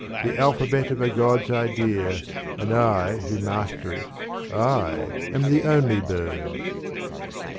The alphabet of a god's idea, and I Who master it, I am the only bird.